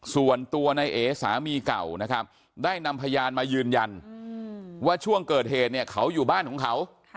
ส่วนตัวในเอสามีเก่านะครับได้นำพยานมายืนยันว่าช่วงเกิดเหตุเนี่ยเขาอยู่บ้านของเขา